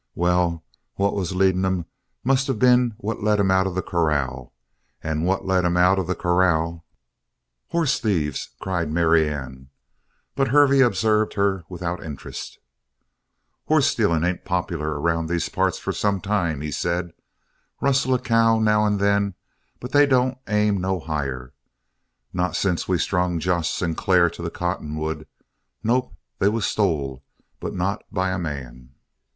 "Well, what was leading 'em must of been what let 'em out of the corral; and what let 'em out of the corral " "Horse thieves!" cried Marianne, but Hervey observed her without interest. "Hoss stealing ain't popular around these parts for some time," he said. "Rustle a cow, now and then, but they don't aim no higher not since we strung Josh Sinclair to the cottonwood. Nope, they was stole, but not by a man."